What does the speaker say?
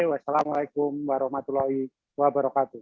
wassalamu'alaikum warahmatullahi wabarakatuh